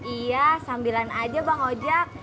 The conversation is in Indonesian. iya sambilan aja bang ojek